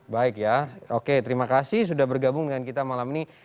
baik ya oke terima kasih sudah bergabung dengan kita malam ini